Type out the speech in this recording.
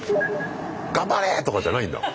「頑張れ！」とかじゃないんだ。